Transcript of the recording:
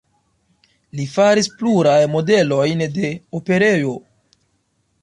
Li faris pluraj modelojn de operejo.